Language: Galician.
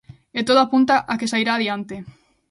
E todo apunta a que sairá adiante.